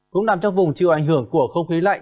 cũng nằm trong vùng chịu ảnh hưởng của không khí lạnh